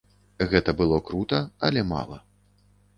Гэта было крута, але мала.